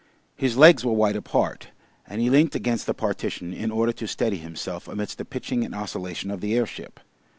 His legs were wide apart, and he leant against the partition in order to steady himself amidst the pitching and oscillation of the airship.